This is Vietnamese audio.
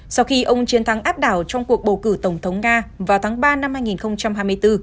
sau khi ông chiến thắng áp đảo trong cuộc bầu cử tổng thống nga vào tháng ba năm hai nghìn hai mươi bốn